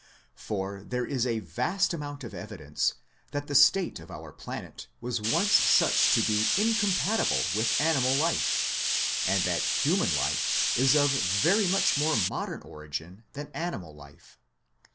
For there is a vast amount of evidence that the state of our planet was once such as to be incompatible with animal life, and that human life is of very much more modern origin than animal life.